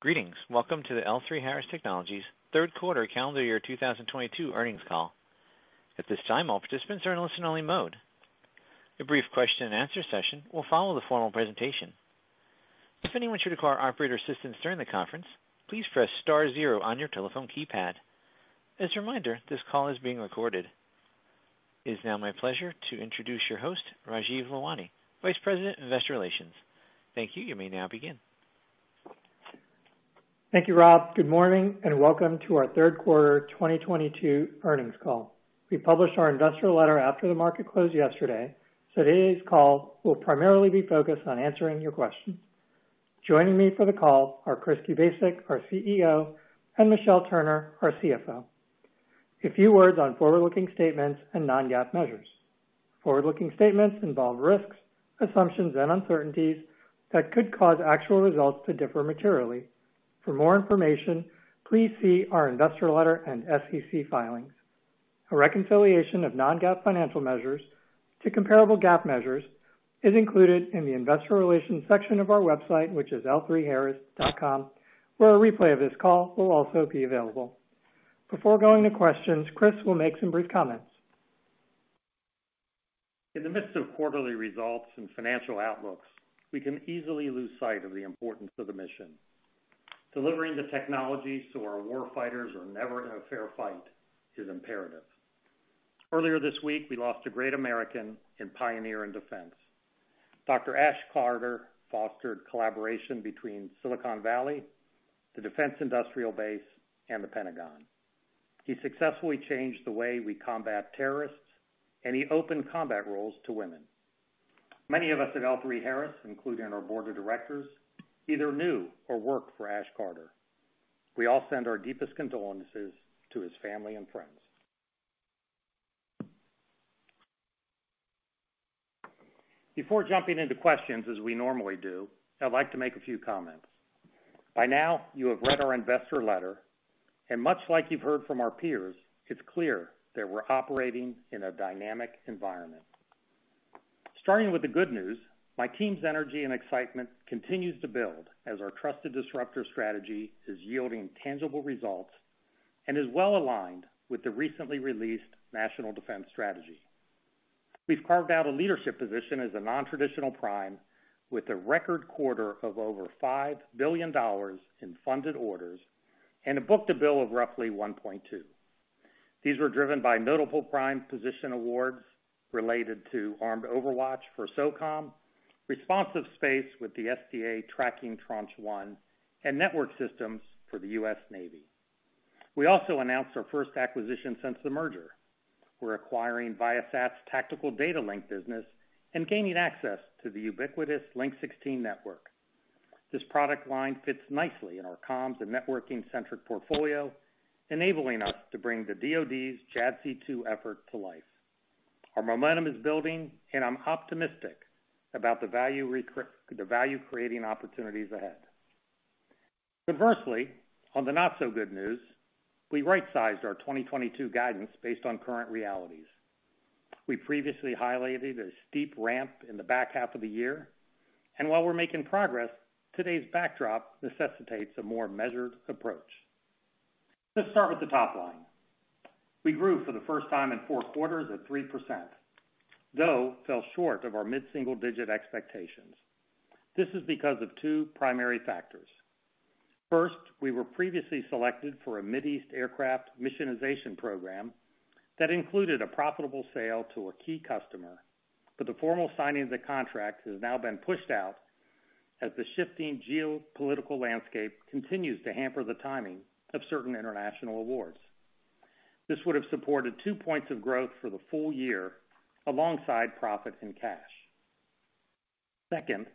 Greetings. Welcome to the L3Harris Technologies Third Quarter Calendar Year 2022 Earnings Call. At this time, all participants are in listen-only mode. A brief question and answer session will follow the formal presentation. If anyone should require operator assistance during the conference, please press star zero on your telephone keypad. As a reminder, this call is being recorded. It is now my pleasure to introduce your host, Rajeev Lalwani, Vice President, Investor Relations. Thank you. You may now begin. Thank you, Rob. Good morning and welcome to our third quarter 2022 earnings call. We published our investor letter after the market closed yesterday, so today's call will primarily be focused on answering your questions. Joining me for the call are Chris Kubasik, our CEO, and Michelle Turner, our CFO. A few words on forward-looking statements and non-GAAP measures. Forward-looking statements involve risks, assumptions, and uncertainties that could cause actual results to differ materially. For more information, please see our investor letter and SEC filings. A reconciliation of non-GAAP financial measures to comparable GAAP measures is included in the investor relations section of our website, which is l3harris.com, where a replay of this call will also be available. Before going to questions, Chris will make some brief comments. In the midst of quarterly results and financial outlooks, we can easily lose sight of the importance of the mission. Delivering the technology so our war fighters are never in a fair fight is imperative. Earlier this week, we lost a great American and pioneer in defense. Dr. Ash Carter fostered collaboration between Silicon Valley, the Defense Industrial Base, and the Pentagon. He successfully changed the way we combat terrorists, and he opened combat roles to women. Many of us at L3Harris, including our Board of Directors, either knew or worked for Ash Carter. We all send our deepest condolences to his family and friends. Before jumping into questions as we normally do, I'd like to make a few comments. By now, you have read our investor letter, and much like you've heard from our peers, it's clear that we're operating in a dynamic environment. Starting with the good news, my team's energy and excitement continues to build as our trusted disruptor strategy is yielding tangible results and is well-aligned with the recently released National Defense Strategy. We've carved out a leadership position as a non-traditional prime with a record quarter of over $5 billion in funded orders and a book-to-bill of roughly 1.2. These were driven by notable prime position awards related to Armed Overwatch for SOCOM, responsive space with the SDA Tracking Tranche 1, and network systems for the US Navy. We also announced our first acquisition since the merger. We're acquiring Viasat's Tactical Data Links business and gaining access to the ubiquitous Link 16 network. This product line fits nicely in our comms and networking-centric portfolio, enabling us to bring the DoD's JADC2 effort to life. Our momentum is building, and I'm optimistic about the value-creating opportunities ahead. Conversely, on the not-so-good news, we right-sized our 2022 guidance based on current realities. We previously highlighted a steep ramp in the back half of the year, and while we're making progress, today's backdrop necessitates a more measured approach. Let's start with the top line. We grew for the first time in four quarters at 3%, though fell short of our mid-single-digit expectations. This is because of two primary factors. First, we were previously selected for a Mid-East aircraft missionization program that included a profitable sale to a key customer, but the formal signing of the contract has now been pushed out as the shifting geopolitical landscape continues to hamper the timing of certain international awards. This would have supported two points of growth for the full year alongside profits and cash. Second,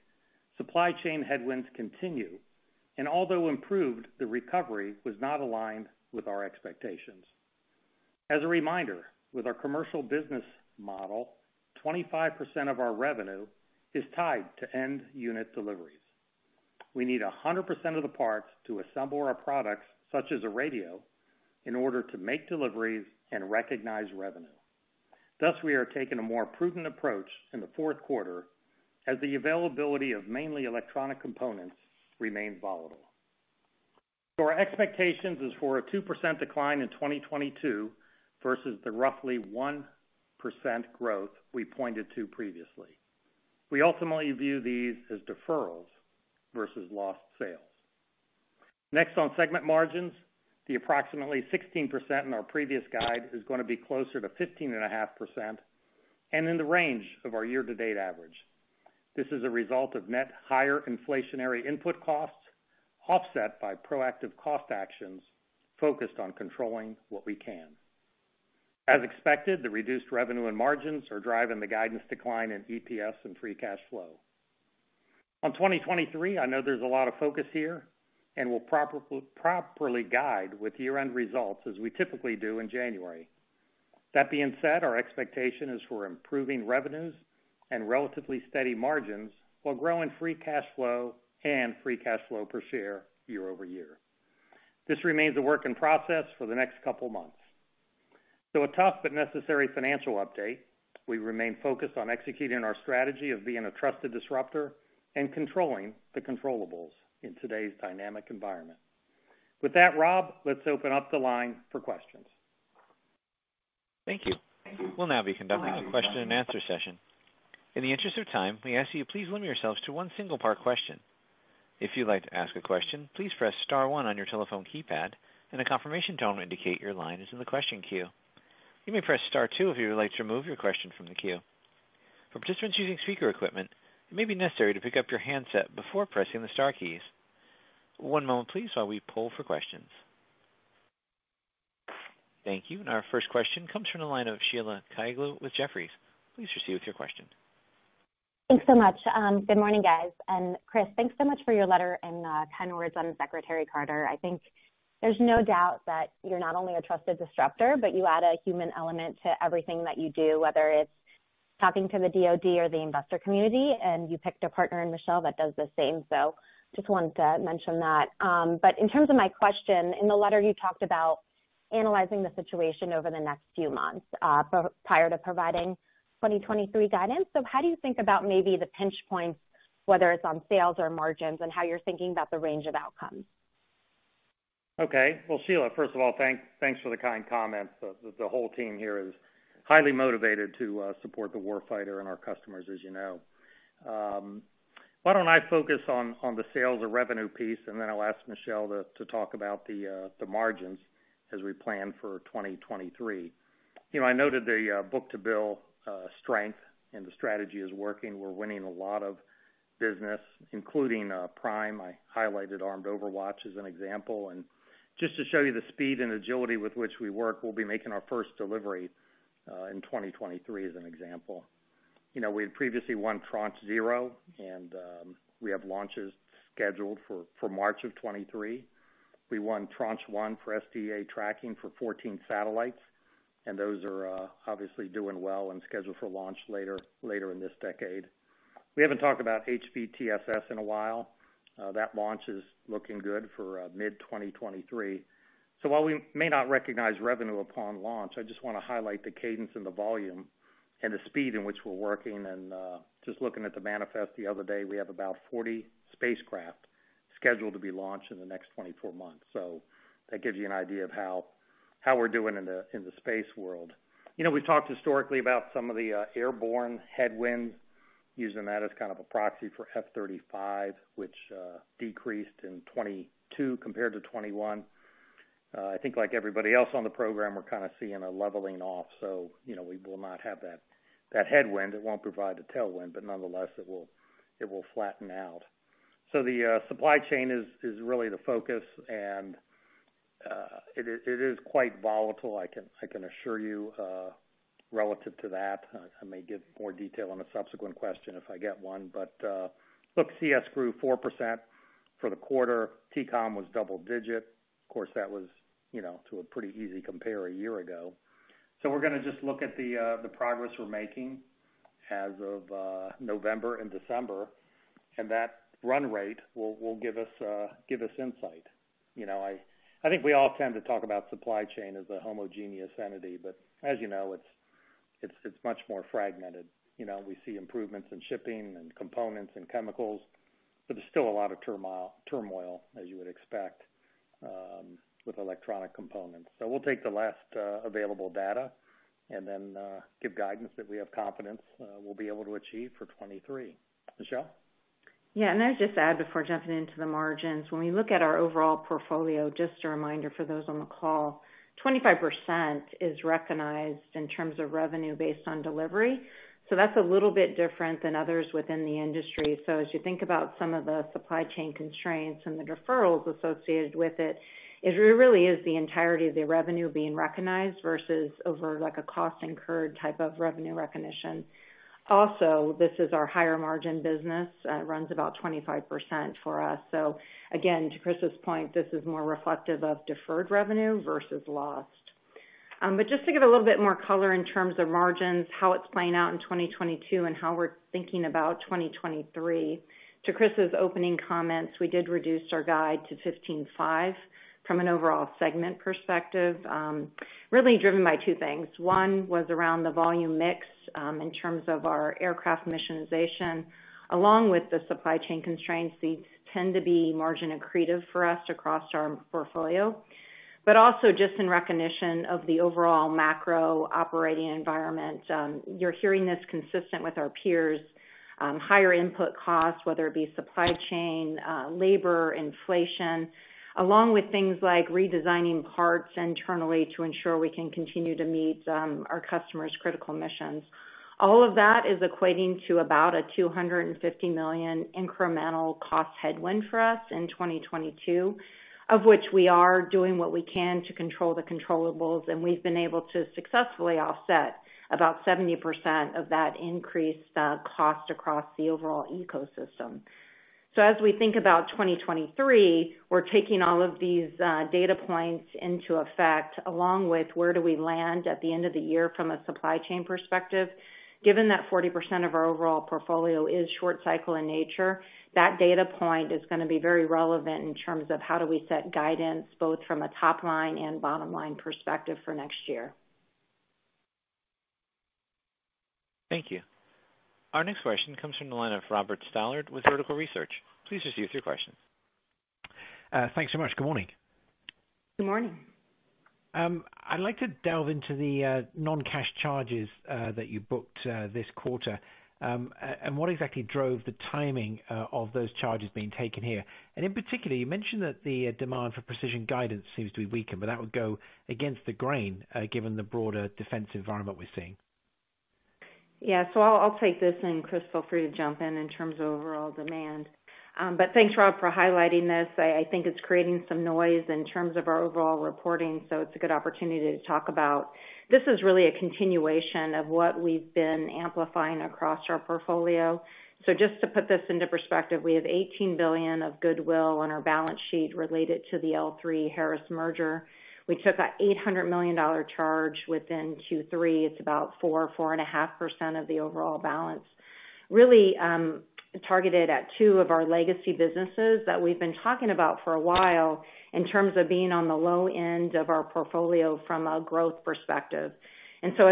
supply chain headwinds continue, and although improved, the recovery was not aligned with our expectations. As a reminder, with our commercial business model, 25% of our revenue is tied to end unit deliveries. We need 100% of the parts to assemble our products, such as a radio, in order to make deliveries and recognize revenue. Thus, we are taking a more prudent approach in the fourth quarter as the availability of mainly electronic components remains volatile. Our expectations is for a 2% decline in 2022 versus the roughly 1% growth we pointed to previously. We ultimately view these as deferrals versus lost sales. Next, on segment margins, the approximately 16% in our previous guide is gonna be closer to 15.5% and in the range of our year-to-date average. This is a result of net higher inflationary input costs offset by proactive cost actions focused on controlling what we can. As expected, the reduced revenue and margins are driving the guidance decline in EPS and free cash flow. On 2023, I know there's a lot of focus here, and we'll properly guide with year-end results as we typically do in January. That being said, our expectation is for improving revenues and relatively steady margins while growing free cash flow and free cash flow per share year-over-year. This remains a work in process for the next couple months. A tough but necessary financial update. We remain focused on executing our strategy of being a trusted disruptor and controlling the controllables in today's dynamic environment. With that, Rob, let's open up the line for questions. Thank you. We'll now be conducting a question-and-answer session. In the interest of time, we ask that you please limit yourselves to one single part question. If you'd like to ask a question, please press star one on your telephone keypad, and a confirmation tone will indicate your line is in the question queue. You may press star two if you would like to remove your question from the queue. For participants using speaker equipment, it may be necessary to pick up your handset before pressing the star keys. One moment please while we poll for questions. Thank you. Our first question comes from the line of Sheila Kahyaoglu with Jefferies. Please proceed with your question. Thanks so much. Good morning, guys. Chris, thanks so much for your letter and kind words on Secretary Carter. I think there's no doubt that you're not only a trusted disruptor, but you add a human element to everything that you do, whether it's talking to the DoD or the investor community, and you picked a partner in Michelle that does the same. Just wanted to mention that. In terms of my question, in the letter, you talked about analyzing the situation over the next few months prior to providing 2023 guidance. How do you think about maybe the pinch points, whether it's on sales or margins, and how you're thinking about the range of outcomes? Okay. Well, Sheila, first of all, thanks for the kind comments. The whole team here is highly-motivated to support the war fighter and our customers, as you know. Why don't I focus on the sales or revenue piece, and then I'll ask Michelle to talk about the margins as we plan for 2023. You know, I noted the book-to-bill strength, and the strategy is working. We're winning a lot of business, including prime. I highlighted Armed Overwatch as an example. Just to show you the speed and agility with which we work, we'll be making our first delivery in 2023 as an example. You know, we had previously won Tranche 0, and we have launches scheduled for March of 2023. We won Tranche 1 for SDA tracking for 14 satellites, and those are obviously doing well and scheduled for launch later in this decade. We haven't talked about HBTSS in a while. That launch is looking good for mid-2023. While we may not recognize revenue upon launch, I just wanna highlight the cadence and the volume and the speed in which we're working. Just looking at the manifest the other day, we have about 40 spacecraft scheduled to be launched in the next 24 months. That gives you an idea of how we're doing in the space world. You know, we talked historically about some of the airborne headwinds, using that as kind of a proxy for F-35, which decreased in 2022 compared to 2021. I think like everybody else on the program, we're kind of seeing a leveling off. You know, we will not have that headwind. It won't provide a tailwind, but nonetheless, it will flatten out. The supply chain is really the focus, and it is quite volatile, I can assure you. Relative to that, I may give more detail on a subsequent question if I get one. Look, CS grew 4% for the quarter. TCOM was double-digit. Of course, that was, you know, to a pretty easy compare a year ago. We're gonna just look at the progress we're making as of November and December, and that run rate will give us insight. You know, I think we all tend to talk about supply chain as a homogeneous entity, but as you know, it's much more fragmented. You know, we see improvements in shipping and components and chemicals, but there's still a lot of turmoil as you would expect with electronic components. We'll take the last available data and then give guidance that we have confidence we'll be able to achieve for 2023. Michelle? Yeah. I would just add before jumping into the margins, when we look at our overall portfolio, just a reminder for those on the call, 25% is recognized in terms of revenue based on delivery. That's a little bit different than others within the industry. As you think about some of the supply chain constraints and the deferrals associated with it really is the entirety of the revenue being recognized versus over, like, a cost incurred type of revenue recognition. This is our higher margin business, runs about 25% for us. Again, to Chris's point, this is more reflective of deferred revenue versus lost. Just to give a little bit more color in terms of margins, how it's playing out in 2022 and how we're thinking about 2023. To Chris's opening comments, we did reduce our guide to 15.5%. From an overall segment perspective, really driven by two things. One was around the volume mix in terms of our aircraft missionization, along with the supply chain constraints. These tend to be margin accretive for us across our portfolio. Also just in recognition of the overall macro operating environment. You're hearing this, consistent with our peers, higher input costs, whether it be supply chain, labor, inflation, along with things like redesigning parts internally to ensure we can continue to meet our customers' critical missions. All of that is equating to about a $250 million incremental cost headwind for us in 2022, of which we are doing what we can to control the controllables, and we've been able to successfully offset about 70% of that increased cost across the overall ecosystem. As we think about 2023, we're taking all of these data points into account, along with where do we land at the end of the year from a supply chain perspective. Given that 40% of our overall portfolio is short cycle in nature, that data point is gonna be very relevant in terms of how do we set guidance, both from a top line and bottom line perspective for next year. Thank you. Our next question comes from the line of Robert Stallard with Vertical Research. Please proceed with your questions. Thanks so much. Good morning. Good morning. I'd like to delve into the non-cash charges that you booked this quarter. And what exactly drove the timing of those charges being taken here. In particular, you mentioned that the demand for precision guidance seems to be weakened, but that would go against the grain given the broader defense environment we're seeing. Yeah. I'll take this, and Chris, feel free to jump in terms of overall demand. Thanks, Rob, for highlighting this. I think it's creating some noise in terms of our overall reporting, so it's a good opportunity to talk about. This is really a continuation of what we've been amplifying across our portfolio. Just to put this into perspective, we have $18 billion of goodwill on our balance sheet related to the L3Harris merger. We took an $800 million charge within Q3. It's about 4%-4.5% of the overall balance. Really, targeted at two of our legacy businesses that we've been talking about for a while in terms of being on the low-end of our portfolio from a growth perspective.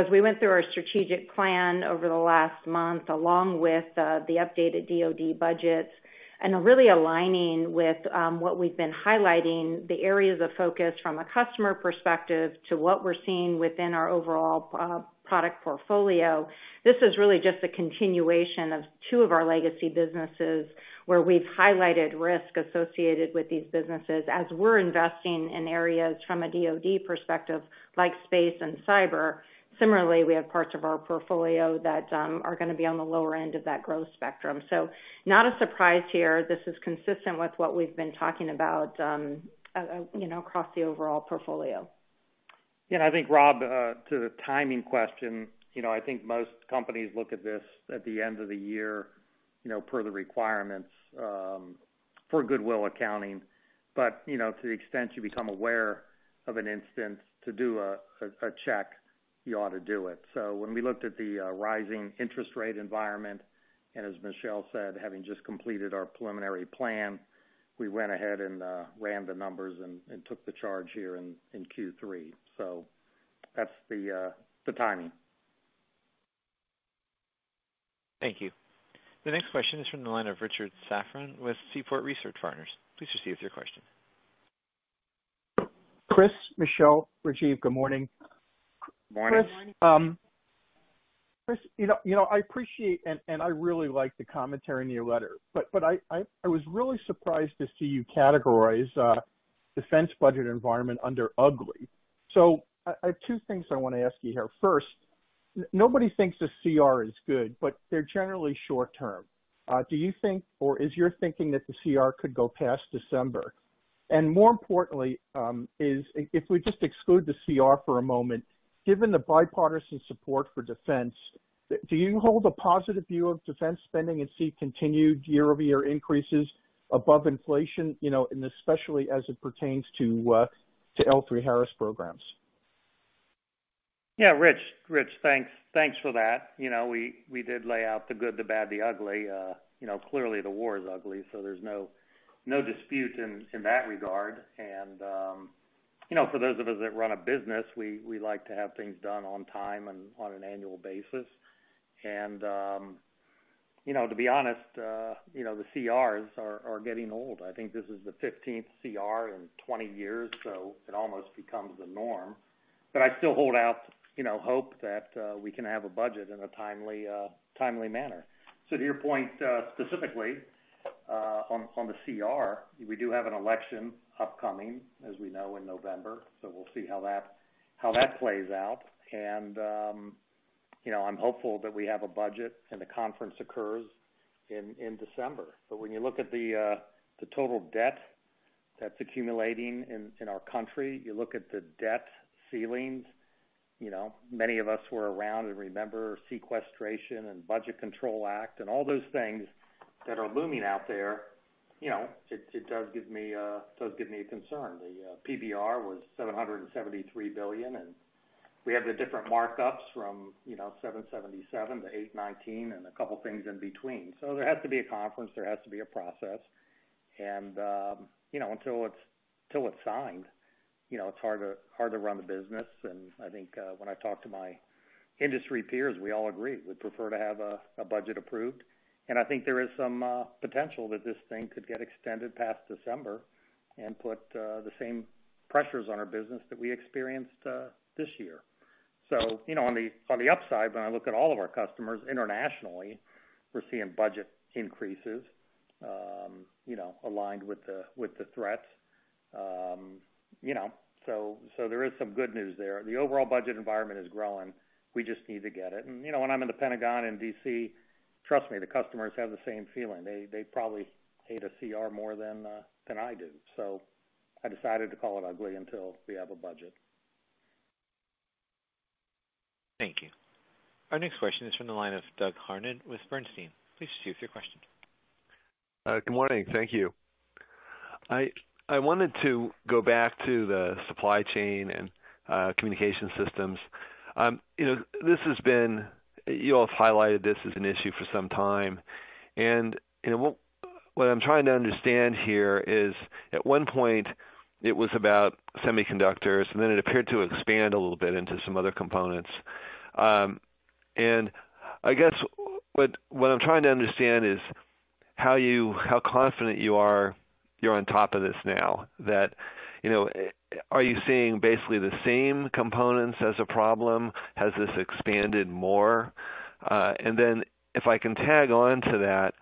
As we went through our strategic plan over the last month, along with the updated DoD budgets and really aligning with what we've been highlighting, the areas of focus from a customer perspective to what we're seeing within our overall product portfolio, this is really just a continuation of two of our legacy businesses where we've highlighted risk associated with these businesses. As we're investing in areas from a DoD perspective, like space and cyber, similarly, we have parts of our portfolio that are gonna be on the lower-end of that growth spectrum. Not a surprise here. This is consistent with what we've been talking about, you know, across the overall portfolio. Yeah, I think, Rob, to the timing question, you know, I think most companies look at this at the end of the year, you know, per the requirements, for goodwill accounting. You know, to the extent you become aware of an instance to do a check, you ought to do it. When we looked at the rising interest rate environment, and as Michelle said, having just completed our preliminary plan, we went ahead and ran the numbers and took the charge here in Q3. That's the timing. Thank you. The next question is from the line of Richard Safran with Seaport Research Partners. Please proceed with your question. Chris, Michelle, Rajeev, good morning. Morning. Good morning. Chris, you know, I appreciate and I really like the commentary in your letter, but I was really surprised to see you categorize defense budget environment under ugly. I have two things I wanna ask you here. First, nobody thinks a CR is good, but they're generally short-term. Do you think, or is your thinking that the CR could go past December? More importantly, if we just exclude the CR for a moment, given the bipartisan support for defense, do you hold a positive view of defense spending and see continued year-over-year increases above inflation, you know, and especially as it pertains to L3Harris programs? Yeah. Rich, thanks for that. You know, we did lay out the good, the bad, the ugly. You know, clearly the war is ugly, so there's no dispute in that regard. You know, for those of us that run a business, we like to have things done on time and on an annual basis. You know, to be honest, you know, the CRs are getting old. I think this is the 15th CR in 20 years, so it almost becomes the norm. I still hold out, you know, hope that we can have a budget in a timely manner. To your point, specifically, on the CR, we do have an election upcoming, as we know, in November, so we'll see how that plays out. I'm hopeful that we have a budget and the conference occurs in December. When you look at the total debt that's accumulating in our country, you look at the debt ceilings, you know, many of us were around and remember sequestration and Budget Control Act and all those things that are looming out there. You know, it does give me a concern. The PBR was $773 billion, and we have the different markups from $777 billion-$819 billion and a couple things in between. There has to be a conference, there has to be a process. You know, until it's signed, you know, it's hard to run the business. I think, when I talk to my industry peers, we all agree we'd prefer to have a budget approved. I think there is some potential that this thing could get extended past December and put the same pressures on our business that we experienced this year. You know, on the upside, when I look at all of our customers internationally, we're seeing budget increases, you know, aligned with the threats. You know, so there is some good news there. The overall budget environment is growing. We just need to get it. You know, when I'm in the Pentagon in D.C., trust me, the customers have the same feeling. They probably hate a CR more than I do. So I decided to call it ugly until we have a budget. Thank you. Our next question is from the line of Doug Harned with Bernstein. Please proceed with your question. Good morning. Thank you. I wanted to go back to the supply chain and communication systems. You know, this has been. You all have highlighted this as an issue for some time, and you know, What I'm trying to understand here is, at one point it was about semiconductors, and then it appeared to expand a little bit into some other components. I guess what I'm trying to understand is how confident you are you're on top of this now that, you know, are you seeing basically the same components as a problem? Has this expanded more? If I can tag on to that,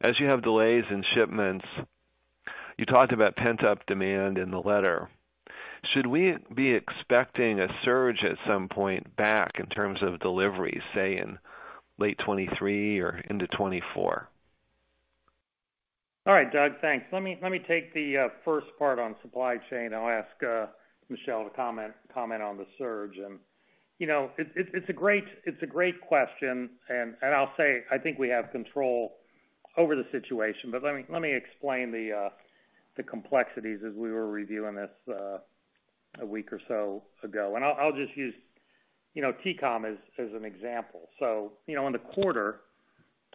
as you have delays in shipments, you talked about pent-up demand in the letter. Should we be expecting a surge at some point back in terms of deliveries, say, in late-2023 or into 2024? All right, Doug, thanks. Let me take the first part on supply chain, and I'll ask Michelle to comment on the surge. You know, it's a great question, and I'll say I think we have control over the situation. Let me explain the complexities as we were reviewing this a week or so ago. I'll just use TCOM as an example. You know, in the quarter,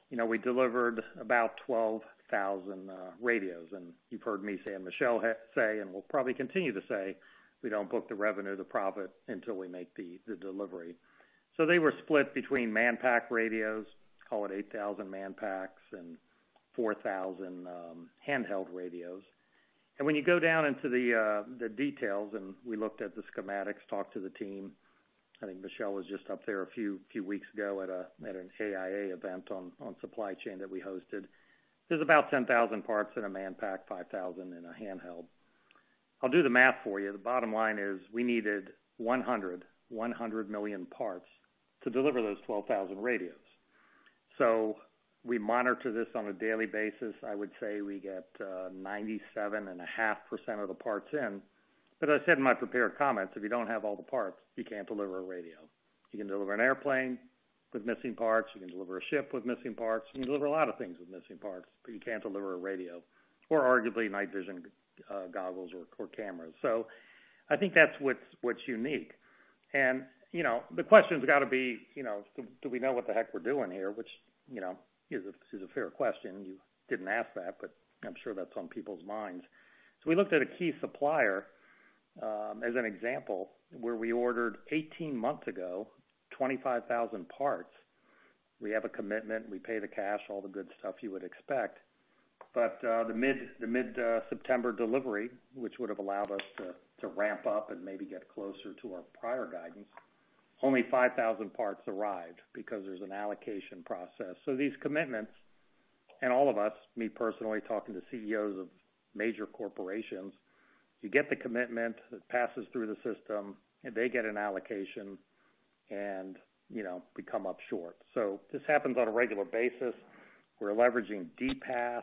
you know, we delivered about 12,000 radios. You've heard me say, and Michelle has said, and we'll probably continue to say, we don't book the revenue, the profit, until we make the delivery. They were split between manpack radios, call it 8,000 manpacks and 4,000 handheld radios. When you go down into the details, and we looked at the schematics, talked to the team. I think Michelle was just up there a few weeks ago at an AIA event on supply chain that we hosted. There's about 10,000 parts in a manpack, 5,000 in a handheld. I'll do the math for you. The bottom-line is we needed 100 million parts to deliver those 12,000 radios. We monitor this on a daily basis. I would say we get 97.5% of the parts in. As I said in my prepared comments, if you don't have all the parts, you can't deliver a radio. You can deliver an airplane with missing parts. You can deliver a ship with missing parts. You can deliver a lot of things with missing parts, but you can't deliver a radio or arguably night vision goggles or cameras. I think that's what's unique. You know, the question's gotta be, you know, do we know what the heck we're doing here, which you know, is a fair question. You didn't ask that, but I'm sure that's on people's minds. We looked at a key supplier as an example, where we ordered 18 months ago, 25,000 parts. We have a commitment, we pay the cash, all the good stuff you would expect. The mid-September delivery, which would have allowed us to ramp up and maybe get closer to our prior guidance, only 5,000 parts arrived because there's an allocation process. These commitments, and all of us, me personally talking to CEOs of major corporations, you get the commitment that passes through the system, and they get an allocation and, you know, we come up short. This happens on a regular basis. We're leveraging DPAS.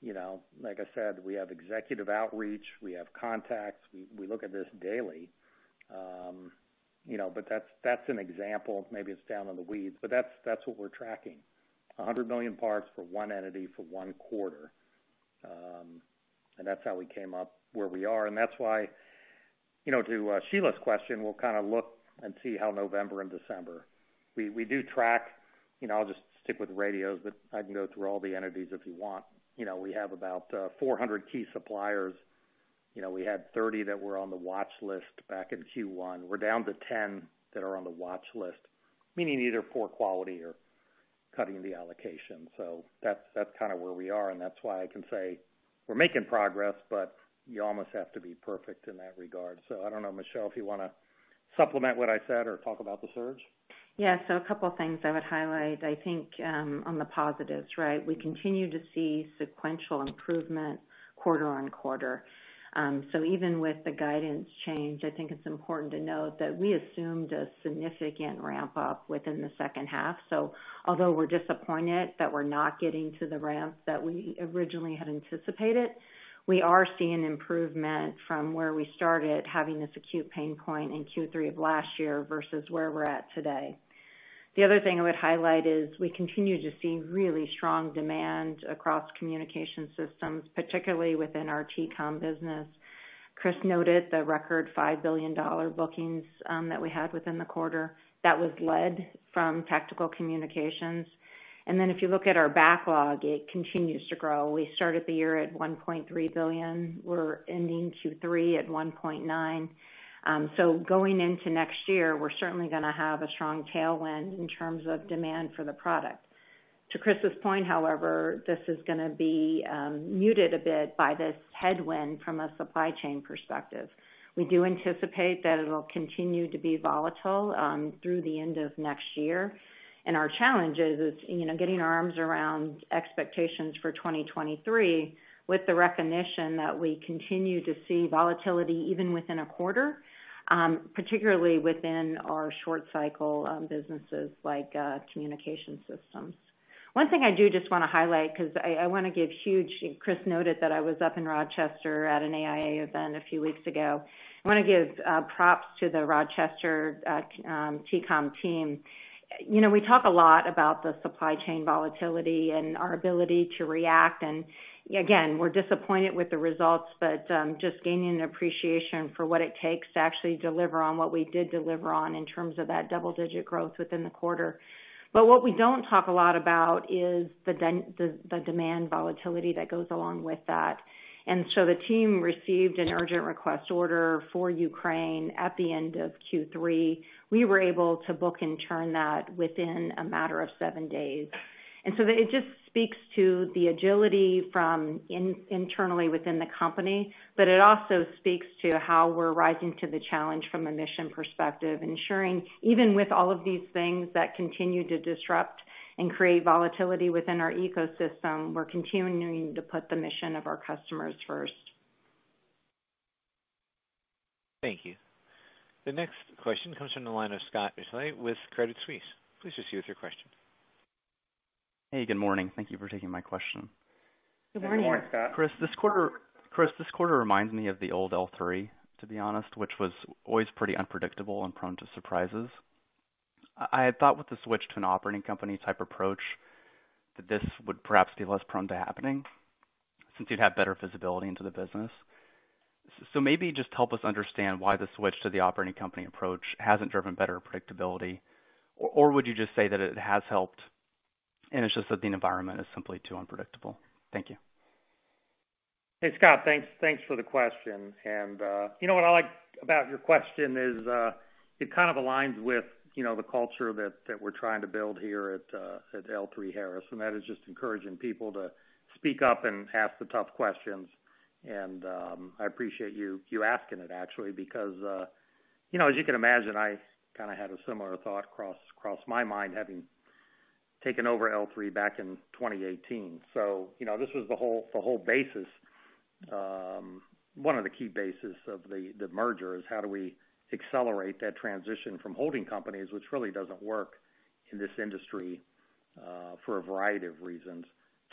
You know, like I said, we have executive outreach, we have contacts, we look at this daily. You know, but that's an example. Maybe it's down in the weeds, but that's what we're tracking, 100 million parts for one entity for one quarter. And that's how we came up where we are. That's why, you know, to Sheila's question, we'll kind of look and see how November and December. We do track, you know, I'll just stick with radios, but I can go through all the entities if you want. You know, we have about 400 key suppliers. You know, we had 30 that were on the watch list back in Q1. We're down to 10 that are on the watch list, meaning either poor quality or cutting the allocation. That's kind of where we are, and that's why I can say we're making progress, but you almost have to be perfect in that regard. I don't know, Michelle, if you wanna supplement what I said or talk about the surge? Yeah. A couple of things I would highlight, I think, on the positives, right? We continue to see sequential improvement quarter-on-quarter. Even with the guidance change, I think it's important to note that we assumed a significant ramp up within the second half. Although we're disappointed that we're not getting to the ramps that we originally had anticipated, we are seeing improvement from where we started having this acute pain point in Q3 of last year versus where we're at today. The other thing I would highlight is we continue to see really strong demand across communication systems, particularly within our TCOM business. Chris noted the record $5 billion bookings that we had within the quarter. That was led from Tactical Communications. If you look at our backlog, it continues to grow. We started the year at $1.3 billion. We're ending Q3 at $1.9 billion. So going into next year, we're certainly gonna have a strong tailwind in terms of demand for the product. To Chris's point, however, this is gonna be muted a bit by this headwind from a supply chain perspective. We do anticipate that it'll continue to be volatile through the end of next year. Our challenge is, you know, getting our arms around expectations for 2023 with the recognition that we continue to see volatility even within a quarter, particularly within our short-cycle businesses like communication systems. One thing I do just wanna highlight because I wanna give huge. Chris noted that I was up in Rochester at an AIA event a few weeks ago. I wanna give props to the Rochester TCOM team. You know, we talk a lot about the supply chain volatility and our ability to react. Again, we're disappointed with the results, but just gaining an appreciation for what it takes to actually deliver on what we did deliver on in terms of that double-digit growth within the quarter. But what we don't talk a lot about is the demand volatility that goes along with that. So the team received an urgent request order for Ukraine at the end of Q3. We were able to book and turn that within a matter of seven days. It just speaks to the agility from internally within the company, but it also speaks to how we're rising to the challenge from a mission perspective, ensuring even with all of these things that continue to disrupt and create volatility within our ecosystem, we're continuing to put the mission of our customers first. Thank you. The next question comes from the line of Scott Deuschle with Credit Suisse. Please proceed with your question. Hey, good morning. Thank you for taking my question. Good morning. Good morning, Scott. Chris, this quarter reminds me of the old L3, to be honest, which was always pretty unpredictable and prone to surprises. I had thought with the switch to an operating company type approach that this would perhaps be less prone to happening since you'd have better visibility into the business. So maybe just help us understand why the switch to the operating company approach hasn't driven better predictability. Or would you just say that it has helped, and it's just that the environment is simply too unpredictable? Thank you. Hey, Scott. Thanks for the question. You know what I like about your question is it kind of aligns with you know the culture that we're trying to build here at L3Harris, and that is just encouraging people to speak up and ask the tough questions. I appreciate you asking it actually, because you know as you can imagine I kind of had a similar thought cross my mind having taken over L3 back in 2018. You know this was the whole basis one of the key bases of the merger is how do we accelerate that transition from holding companies, which really doesn't work in this industry for a variety of reasons,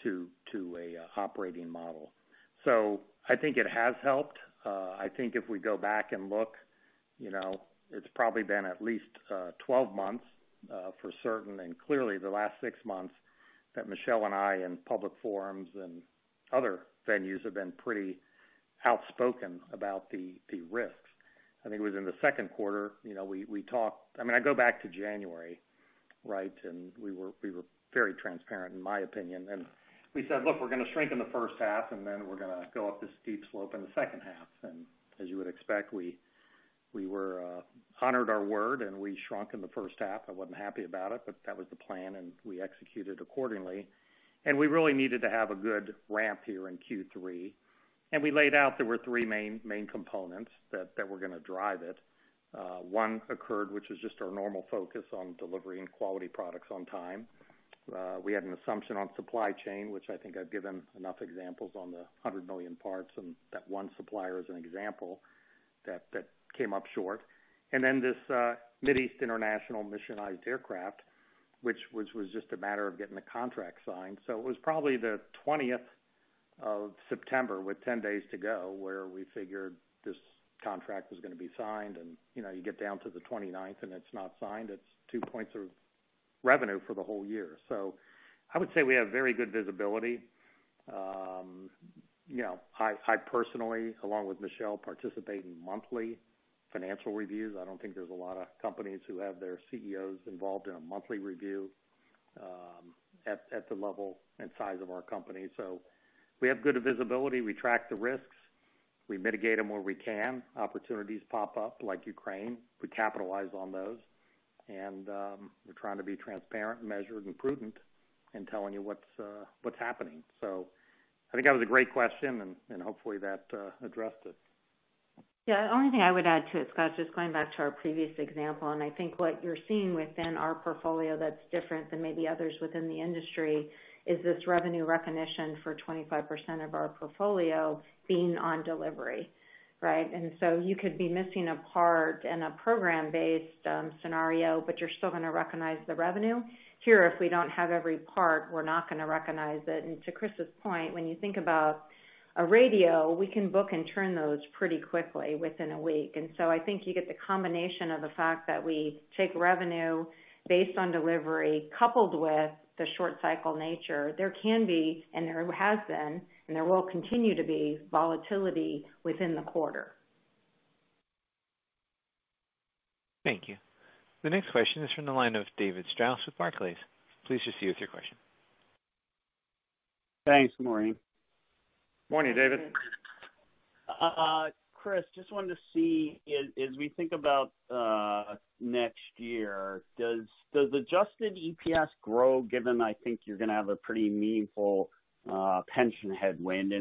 to an operating model. I think it has helped. I think if we go back and look, you know, it's probably been at least 12 months for certain, and clearly the last six months that Michelle and I in public forums and other venues have been pretty outspoken about the risks. I think it was in the second quarter, you know, we talked. I mean, I go back to January, right? We were very transparent in my opinion. We said, "Look, we're gonna strengthen the first half, and then we're gonna go up this steep slope in the second half." As you would expect, we honored our word and we shrunk in the first half. I wasn't happy about it, but that was the plan, and we executed accordingly. We really needed to have a good ramp here in Q3. We laid out there were three main components that were gonna drive it. One occurred, which is just our normal focus on delivering quality products on time. We had an assumption on supply chain, which I think I've given enough examples on the 100 million parts and that one supplier as an example that came up short. This Mid-East international missionized aircraft, which was just a matter of getting the contract signed. It was probably the 20th of September with 10 days to go where we figured this contract was gonna be signed. You know, you get down to the 29th and it's not signed, it's two points of revenue for the whole year. I would say we have very good visibility. You know, I personally, along with Michelle, participate in monthly financial reviews. I don't think there's a lot of companies who have their CEOs involved in a monthly review, at the level and size of our company. We have good visibility. We track the risks, we mitigate them where we can. Opportunities pop-up like Ukraine, we capitalize on those. We're trying to be transparent and measured and prudent in telling you what's happening. I think that was a great question and hopefully that addressed it. Yeah. The only thing I would add to it, Scott, just going back to our previous example, and I think what you're seeing within our portfolio that's different than maybe others within the industry is this revenue recognition for 25% of our portfolio being on delivery, right? You could be missing a part in a program-based scenario, but you're still gonna recognize the revenue. Here, if we don't have every part, we're not gonna recognize it. To Chris's point, when you think about a radio, we can book and turn those pretty quickly within a week. I think you get the combination of the fact that we take revenue based on delivery coupled with the short cycle nature. There can be, and there has been, and there will continue to be volatility within the quarter. Thank you. The next question is from the line of David Strauss with Barclays. Please proceed with your question. Thanks, Morning. Morning, David. Chris, just wanted to see, as we think about next year, does adjusted EPS grow given I think you're gonna have a pretty meaningful pension headwind?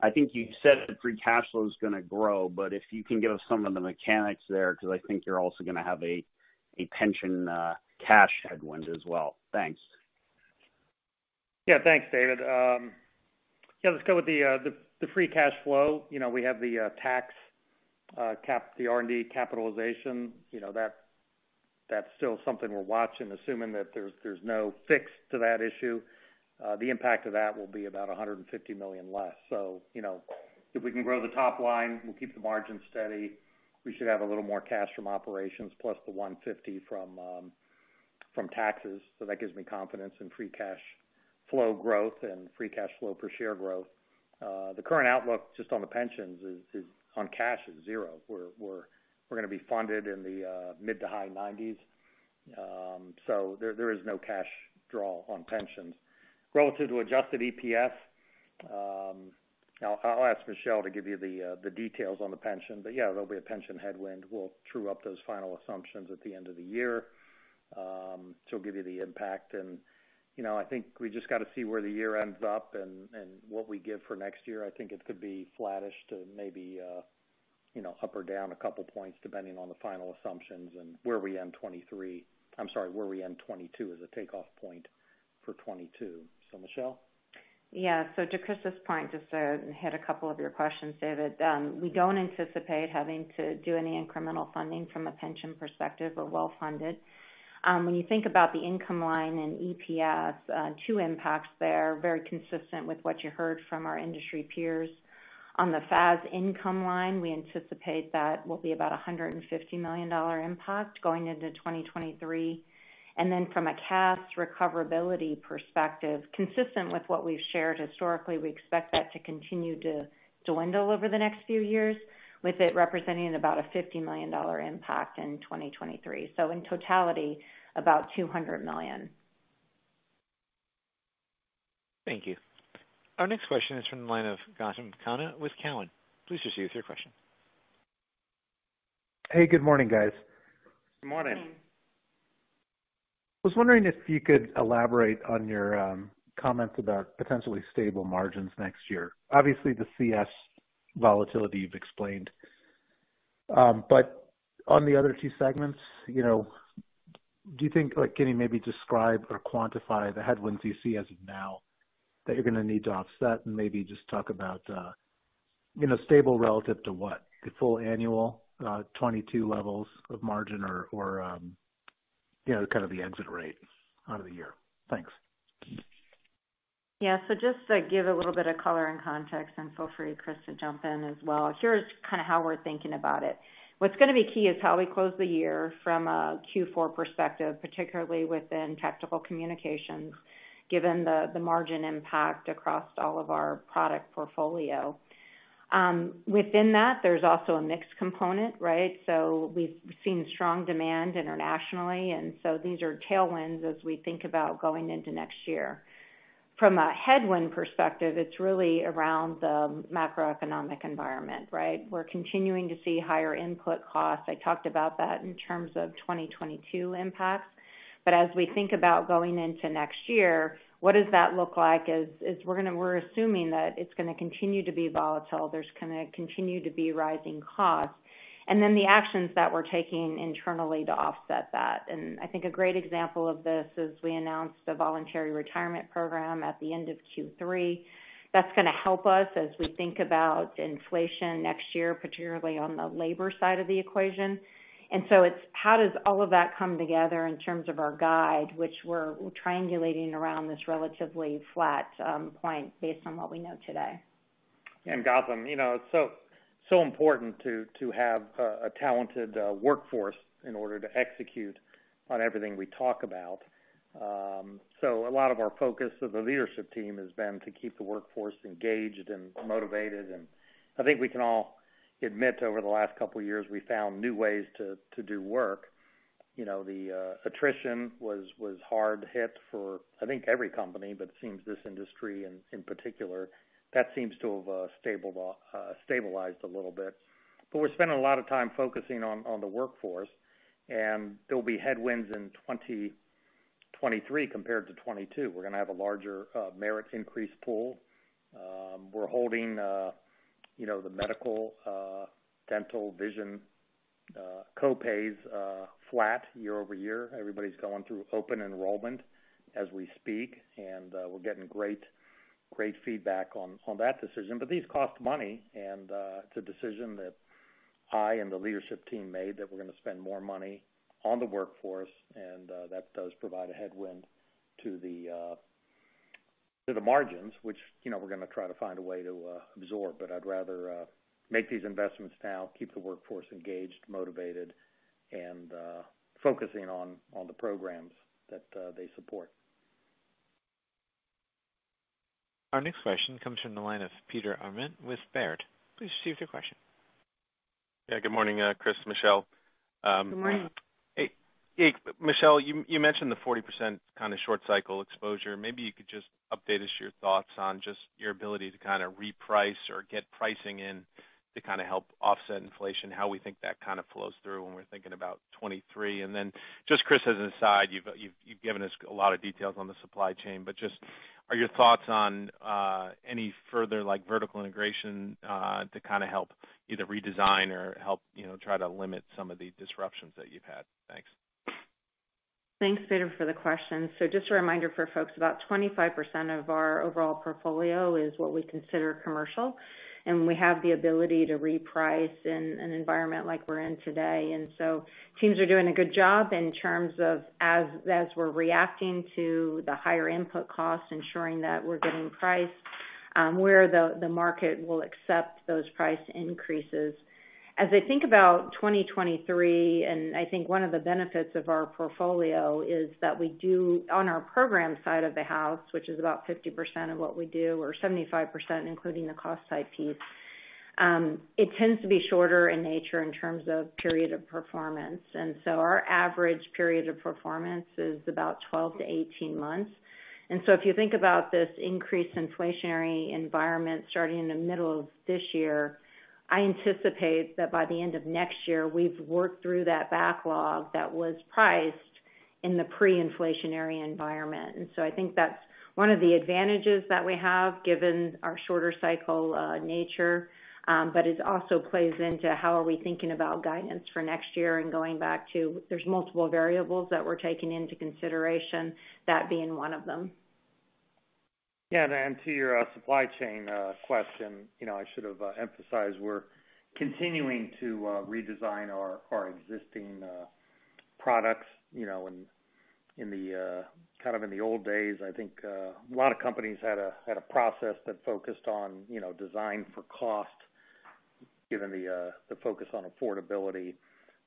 I think you said free cash flow is gonna grow, but if you can give us some of the mechanics there, 'cause I think you're also gonna have a pension cash headwind as well. Thanks. Yeah. Thanks, David. Yeah, let's go with the free cash flow. You know, we have the tax, the R&D capitalization. You know, that's still something we're watching. Assuming that there's no fix to that issue, the impact of that will be about $150 million less. So, you know, if we can grow the top line, we'll keep the margin steady. We should have a little more cash from operations plus the $150 million from taxes. So that gives me confidence in free cash flow growth and free cash flow per share growth. The current outlook just on the pensions on cash is zero. We're gonna be funded in the mid- to high-90s. So there is no cash draw on pensions. Relative to adjusted EPS, I'll ask Michelle to give you the details on the pension, but yeah, there'll be a pension headwind. We'll true up those final assumptions at the end of the year, she'll give you the impact. You know, I think we just gotta see where the year ends up and what we give for next year. I think it could be flattish to maybe, you know, up or down a couple points depending on the final assumptions and where we end 2022 as a takeoff point for 2022. Michelle? Yeah. To Chris's point, just to hit a couple of your questions, David, we don't anticipate having to do any incremental funding from a pension perspective, we're well-funded. When you think about the income line and EPS, two impacts there, very consistent with what you heard from our industry peers. On the FAS income line, we anticipate that will be about $150 million impact going into 2023. Then from a CAS recoverability perspective, consistent with what we've shared historically, we expect that to continue to dwindle over the next few years, with it representing about a $50 million impact in 2023. In totality, about $200 million. Thank you. Our next question is from the line of Gautam Khanna with Cowen. Please proceed with your question. Hey, good morning, guys. Good morning. Good morning. I was wondering if you could elaborate on your comments about potentially stable margins next year. Obviously, the CS volatility you've explained. On the other two segments, you know, do you think, like, can you maybe describe or quantify the headwinds you see as of now that you're gonna need to offset and maybe just talk about, you know, stable relative to what? The full annual, 2022 levels of margin or, you know, kind of the exit rate out of the year? Thanks. Yeah. Just to give a little bit of color and context, and feel free, Chris, to jump in as well. Here's kind of how we're thinking about it. What's gonna be key is how we close the year from a Q4 perspective, particularly within Tactical Communications, given the margin impact across all of our product portfolio. Within that, there's also a mixed component, right? We've seen strong demand internationally, and these are tailwinds as we think about going into next year. From a headwind perspective, it's really around the macroeconomic environment, right? We're continuing to see higher input costs. I talked about that in terms of 2022 impacts. As we think about going into next year, what does that look like? We're assuming that it's gonna continue to be volatile. There's gonna continue to be rising costs. The actions that we're taking internally to offset that. I think a great example of this is we announced a voluntary retirement program at the end of Q3. That's gonna help us as we think about inflation next year, particularly on the labor side of the equation. It's how does all of that come together in terms of our guide, which we're triangulating around this relatively flat, point based on what we know today. Gautam, you know, it's so important to have a talented workforce in order to execute on everything we talk about. A lot of our focus of the leadership team has been to keep the workforce engaged and motivated. I think we can all admit over the last couple of years, we found new ways to do work. You know, the attrition was hard hit for, I think, every company, but it seems this industry in particular. That seems to have stabilized a little bit. We're spending a lot of time focusing on the workforce, and there'll be headwinds in 2023 compared to 2022. We're gonna have a larger merit increase pool. We're holding, you know, the medical, dental, vision co-pays flat year-over-year. Everybody's going through open enrollment as we speak, and we're getting great feedback on that decision. These cost money and it's a decision that I and the leadership team made that we're gonna spend more money on the workforce, and that does provide a headwind to the margins, which, you know, we're gonna try to find a way to absorb. I'd rather make these investments now, keep the workforce engaged, motivated, and focusing on the programs that they support. Our next question comes from the line of Peter Arment with Baird. Please proceed with your question. Yeah, good morning, Chris, Michelle. Good morning. Hey. Hey, Michelle, you mentioned the 40% kinda short cycle exposure. Maybe you could just update us on your thoughts on just your ability to kinda reprice or get pricing in to kinda help offset inflation, how we think that kinda flows through when we're thinking about 2023. Then just, Chris, as an aside, you've given us a lot of details on the supply chain, but what are your thoughts on any further, like, vertical integration to kinda help either redesign or help, you know, try to limit some of the disruptions that you've had? Thanks. Thanks, Peter, for the question. Just a reminder for folks, about 25% of our overall portfolio is what we consider commercial, and we have the ability to reprice in an environment like we're in today. Teams are doing a good job in terms of as we're reacting to the higher input costs, ensuring that we're getting price, where the market will accept those price increases. As I think about 2023, and I think one of the benefits of our portfolio is that we do, on our program side of the house, which is about 50% of what we do, or 75%, including the cost side piece, it tends to be shorter in nature in terms of period of performance. Our average period of performance is about 12-18 months. If you think about this increased inflationary environment starting in the middle of this year, I anticipate that by the end of next year, we've worked through that backlog that was priced in the pre-inflationary environment. I think that's one of the advantages that we have given our shorter cycle nature. It also plays into how are we thinking about guidance for next year and going back to there's multiple variables that we're taking into consideration, that being one of them. Yeah, to your supply chain question, you know, I should have emphasized we're continuing to redesign our existing products, you know. In the old days, I think, a lot of companies had a process that focused on, you know, design for cost, given the focus on affordability.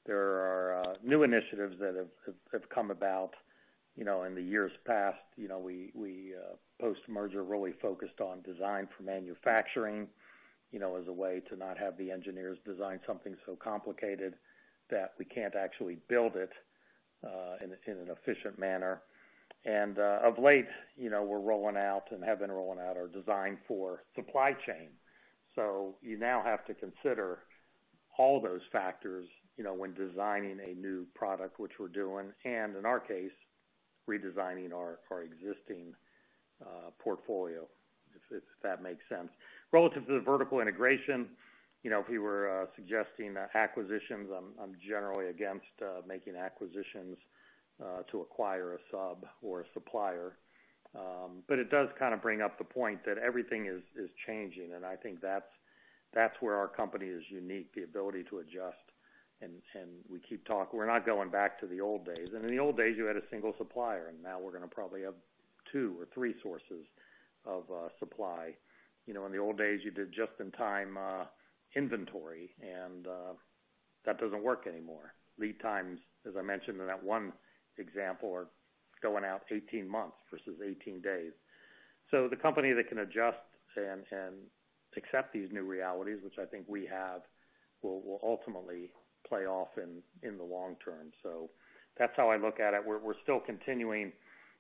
There are new initiatives that have come about, you know, in the years past. You know, we post-merger really focused on design for manufacturing, you know, as a way to not have the engineers design something so complicated that we can't actually build it in an efficient manner. Of late, you know, we're rolling out and have been rolling out our design for supply chain. You now have to consider all those factors, you know, when designing a new product, which we're doing, and in our case, redesigning our existing portfolio, if that makes sense. Relative to the vertical integration, you know, if you were suggesting acquisitions, I'm generally against making acquisitions to acquire a sub or a supplier. It does kind of bring up the point that everything is changing. I think that's where our company is unique, the ability to adjust. We're not going back to the old days. In the old days, you had a single supplier, and now we're gonna probably have two or three sources of supply. You know, in the old days, you did just-in-time inventory and that doesn't work anymore. Lead times, as I mentioned in that one example, are going out 18 months versus 18 days. The company that can adjust and accept these new realities, which I think we have, will ultimately pay off in the long term. That's how I look at it. We're still continuing,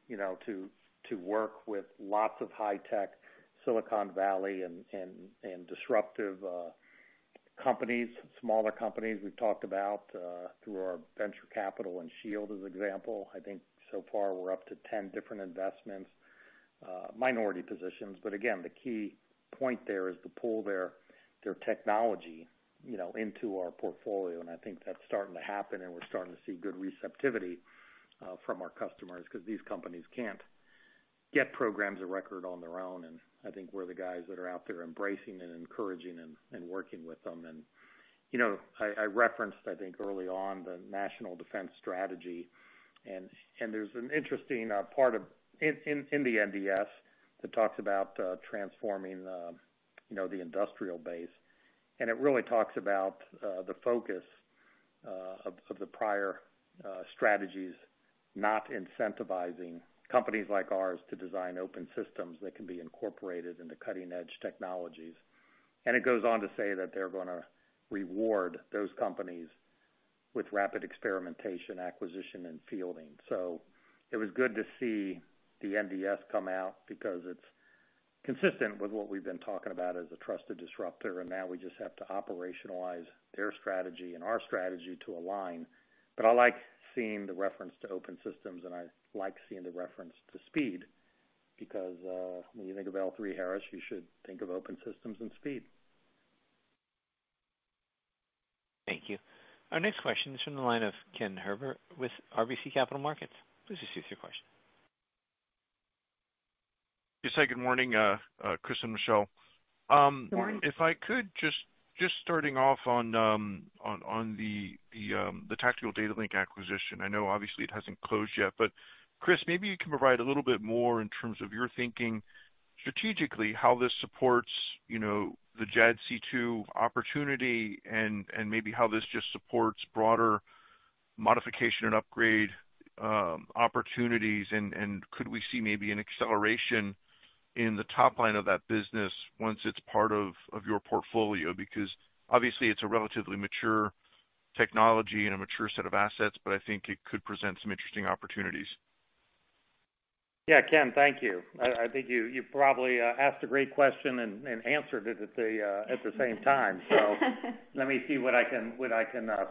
you know, to work with lots of high-tech Silicon Valley and disruptive companies, smaller companies we've talked about, through our venture capital and Shield, as an example. I think so far we're up to 10 different investments, minority positions. Again, the key point there is to pull their technology, you know, into our portfolio, and I think that's starting to happen, and we're starting to see good receptivity from our customers because these companies can't get programs or record on their own. I think we're the guys that are out there embracing and encouraging and working with them. You know, I referenced, I think, early on the National Defense Strategy, and there's an interesting part in the NDS that talks about transforming, you know, the industrial base. It really talks about the focus of the prior strategies not incentivizing companies like ours to design open systems that can be incorporated into cutting-edge technologies. It goes on to say that they're gonna reward those companies with rapid experimentation, acquisition, and fielding. It was good to see the NDS come out because it's consistent with what we've been talking about as a trusted disruptor, and now we just have to operationalize their strategy and our strategy to align. I like seeing the reference to open systems, and I like seeing the reference to speed because, when you think of L3Harris, you should think of open systems and speed. Thank you. Our next question is from the line of Ken Herbert with RBC Capital Markets. Please proceed with your question. Yes, hi, good morning, Chris and Michelle. Good morning. If I could, just starting off on the Tactical Data Links acquisition. I know obviously it hasn't closed yet, but Chris, maybe you can provide a little bit more in terms of your thinking strategically, how this supports, you know, the JADC2 opportunity and maybe how this just supports broader modification and upgrade opportunities. Could we see maybe an acceleration in the top line of that business once it's part of your portfolio? Because obviously it's a relatively mature technology and a mature set of assets, but I think it could present some interesting opportunities. Yeah, Ken, thank you. I think you probably asked a great question and answered it at the same time. Let me see what I can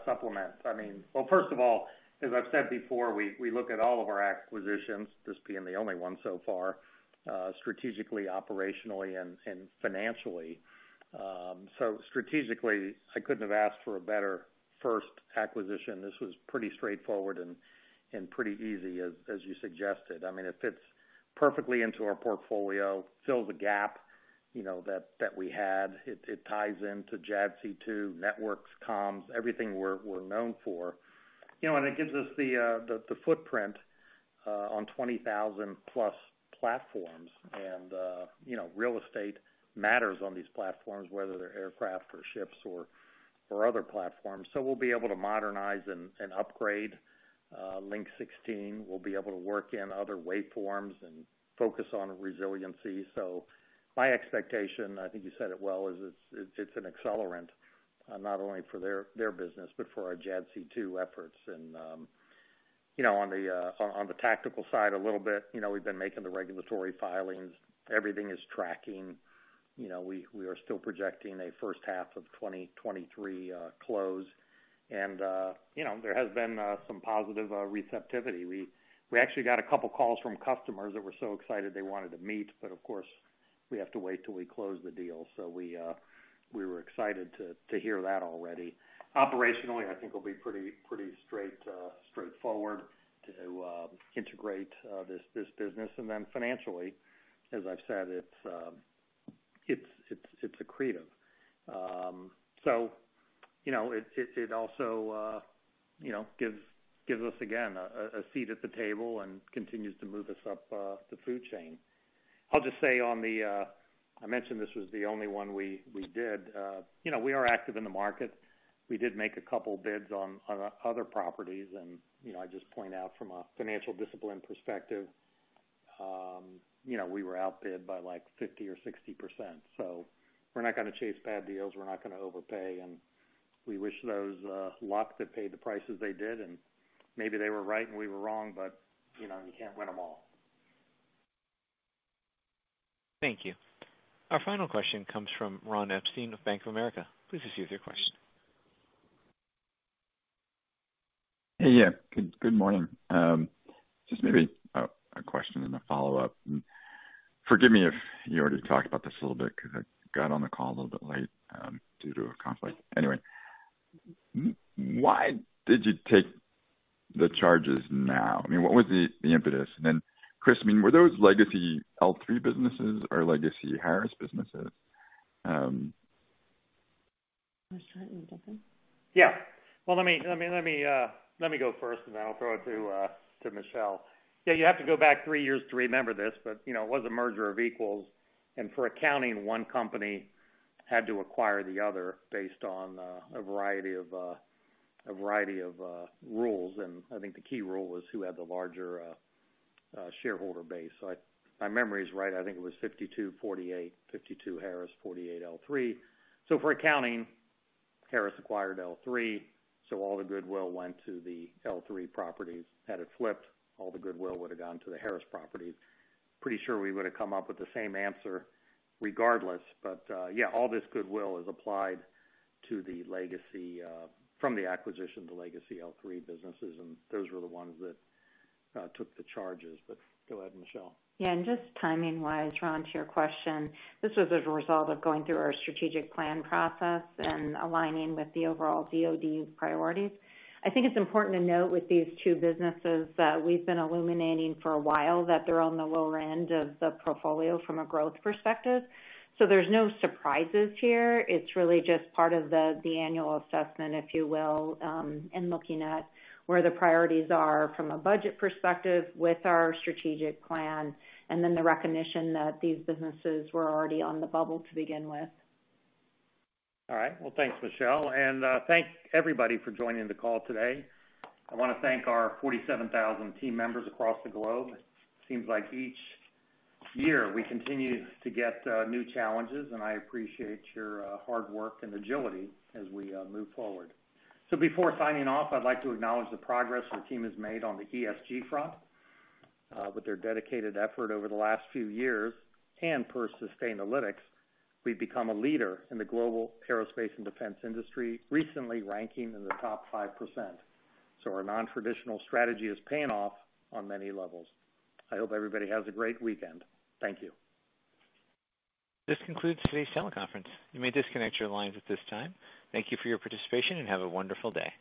supplement. I mean, well, first of all, as I've said before, we look at all of our acquisitions, this being the only one so far, strategically, operationally and financially. Strategically, I couldn't have asked for a better first acquisition. This was pretty straightforward and pretty easy as you suggested. I mean, it fits perfectly into our portfolio, fills a gap, you know, that we had. It ties into JADC2, networks, comms, everything we're known for. You know, and it gives us the footprint on 20,000+ platforms. You know, real estate matters on these platforms, whether they're aircraft or ships or other platforms. We'll be able to modernize and upgrade Link 16. We'll be able to work in other waveforms and focus on resiliency. My expectation, I think you said it well, is it's an accelerant, not only for their business, but for our JADC2 efforts. You know, on the tactical side a little bit, you know, we've been making the regulatory filings. Everything is tracking. You know, we are still projecting a first half of 2023 close. You know, there has been some positive receptivity. We actually got a couple calls from customers that were so excited they wanted to meet, but of course we have to wait till we close the deal. We were excited to hear that already. Operationally, I think it'll be pretty straightforward to integrate this business. Then financially, as I've said, it's accretive. You know, it also, you know, gives us, again, a seat at the table and continues to move us up the food chain. I'll just say on the. I mentioned this was the only one we did. You know, we are active in the market. We did make a couple bids on other properties and, you know, I just point out from a financial discipline perspective, you know, we were outbid by like 50% or 60%. We're not gonna chase bad deals, we're not gonna overpay, and we wish those luck that paid the prices they did, and maybe they were right and we were wrong, but, you know, you can't win them all. Thank you. Our final question comes from Ron Epstein of Bank of America. Please proceed with your question. Hey, yeah. Good morning. Just maybe a question and a follow-up. Forgive me if you already talked about this a little bit, 'cause I got on the call a little bit late, due to a conflict. Anyway, why did you take the charges now? I mean, what was the impetus? Chris, I mean, were those legacy L3 businesses or legacy Harris businesses? You wanna start, Chris? Yeah. Well, let me go first, and then I'll throw it to Michelle. Yeah, you have to go back three years to remember this, but, you know, it was a merger of equals, and for accounting, one company had to acquire the other based on a variety of rules, and I think the key rule was who had the larger shareholder base. If my memory is right, I think it was 52%-48%. 52% Harris, 48% L3. For accounting, Harris acquired L3, so all the goodwill went to the L3 properties. Had it flipped, all the goodwill would have gone to the Harris properties. Pretty sure we would've come up with the same answer regardless. Yeah, all this goodwill is applied to the legacy from the acquisition to legacy L3 businesses, and those were the ones that took the charges. Go ahead, Michelle. Yeah, just timing-wise, Ron, to your question, this was as a result of going through our strategic plan process and aligning with the overall DoD priorities. I think it's important to note with these two businesses that we've been eliminating for a while, that they're on the lower-end of the portfolio from a growth perspective. There's no surprises here. It's really just part of the annual assessment, if you will, and looking at where the priorities are from a budget perspective with our strategic plan, and then the recognition that these businesses were already on the bubble to begin with. All right. Well, thanks, Michelle, and thanks everybody for joining the call today. I wanna thank our 47,000 team members across the globe. Seems like each year we continue to get new challenges, and I appreciate your hard work and agility as we move forward. Before signing off, I'd like to acknowledge the progress our team has made on the ESG front. With their dedicated effort over the last few years and per Sustainalytics, we've become a leader in the global aerospace and defense industry, recently ranking in the top 5%. Our non-traditional strategy is paying off on many levels. I hope everybody has a great weekend. Thank you. This concludes today's teleconference. You may disconnect your lines at this time. Thank you for your participation, and have a wonderful day.